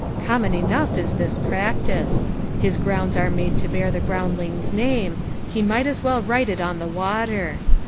Common enough is this practice. His grounds are made to bear the groundling's name, he might as well write it on the water.